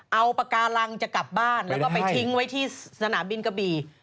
เอาปากการังจะกลับบ้านแล้วก็ไปทิ้งไว้ที่สนามบินกะบี่